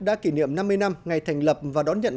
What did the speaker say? đã kỷ niệm năm mươi năm ngày thành lập và đón nhận